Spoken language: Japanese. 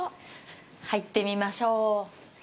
入ってみましょう。